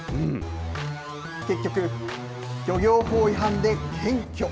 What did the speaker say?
結局、漁業法違反で検挙。